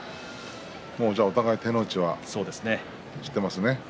お互いに手の内を知っていますね。